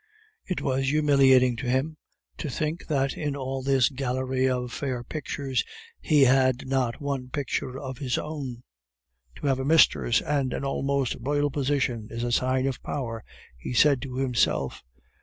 It was humiliating to him to think that in all this gallery of fair pictures he had not one picture of his own. "To have a mistress and an almost royal position is a sign of power," he said to himself.